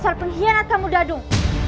dasar pengkhianat kamu dadung